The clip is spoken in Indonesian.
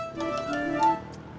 kayak mas dua ribu lima